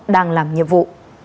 đang làm nhiệm vụ